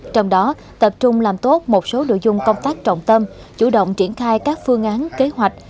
trong đó tập trung làm tốt một số nội dung công tác trọng tâm chủ động triển khai các phương án kế hoạch